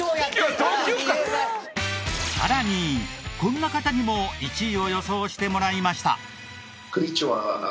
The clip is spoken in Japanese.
さらにこんな方にも１位を予想してもらいました。